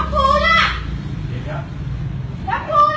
ช่วยด้วยค่ะส่วนสุด